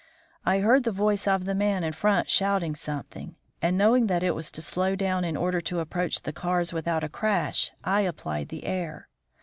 I heard the voice of the man in front shouting something, and knowing that it was to slow down in order to approach the cars without a crash, I applied the air.